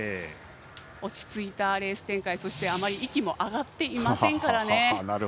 落ち着いたレース展開そして、あまり息も上がっていません。